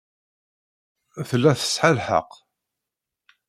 Tella tesɛa lḥeqq.